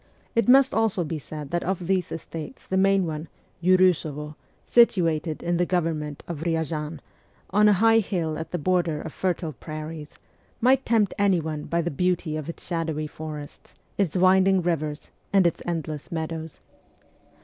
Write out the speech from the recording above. It must also be said that of these estates the main one, Uriisovo, situated CHILDHOOD 11 in the government of Ryazan, on a high hill at the border of fertile prairies, might tempt any one by the beauty of its shadowy forests, its winding rivers, and its endless meadows.